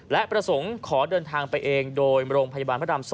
และประสงค์ขอเดินทางไปเองโดยโรงพยาบาลพระราม๒